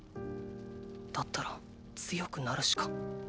だったら強くなるしか。